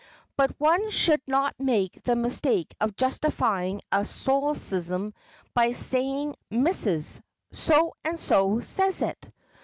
But one should not make the mistake of justifying a solecism by saying "Mrs. So and so says it!"